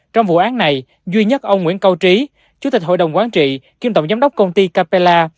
trong vụ án này duy nhất ông nguyễn cao trí chủ tịch hội đồng quán trị kiêm tổng giám đốc công ty capella